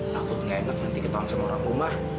takut nggak enak nanti keton sama orang rumah